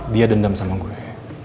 dia dendam sama gue